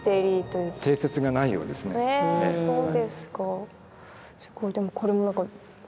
すごいでもこれも何か。